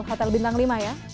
hotel bintang lima ya